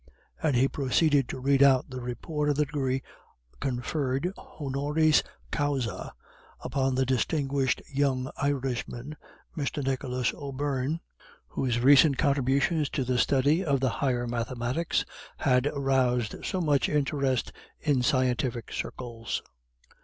And he proceeded to read out the report of the degree conferred honoris causâ upon the distinguished young Irishman, Mr. Nicholas O'Beirne, whose recent contributions to the study of the higher mathematics had roused so much interest in scientific circles.